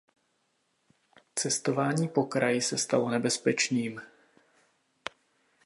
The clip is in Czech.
Cestování po kraji se stalo nebezpečným.